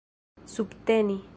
subteni